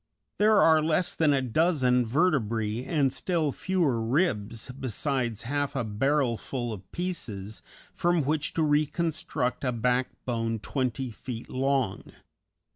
There are less than a dozen vertebræ and still fewer ribs, besides half a barrelful of pieces, from which to reconstruct a backbone twenty feet long.